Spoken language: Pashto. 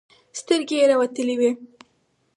سترگې يې راوتلې وې.